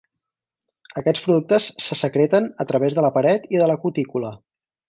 Aquests productes se secreten a través de la paret i de la cutícula.